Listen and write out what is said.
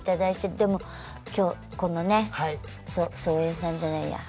でも今日このね操演さんじゃないや。